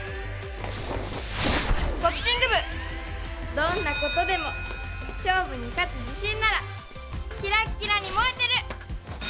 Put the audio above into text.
どんなことでも勝負に勝つ自信ならキラッキラに燃えてる！